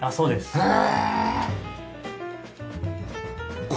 へえ。